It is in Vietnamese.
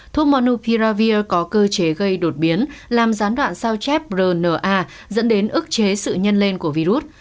thuốc monopiravir có cơ chế gây đột biến làm gián đoạn sao chép rna dẫn đến ức chế sự nhân lên của virus